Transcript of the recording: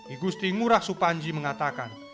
igusti ngurah supanji mengatakan